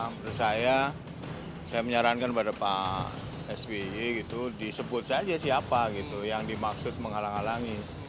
menurut saya saya menyarankan pada pak sby gitu disebut saja siapa gitu yang dimaksud menghalang halangi